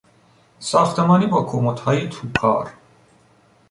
ساختمانی با کمدهای توکار